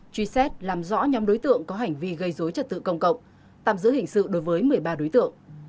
truy xét làm rõ nhóm đối tượng có hành vi gây dối trật tự công cộng tạm giữ hình sự đối với một mươi ba đối tượng